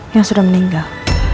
yang sudah meninggal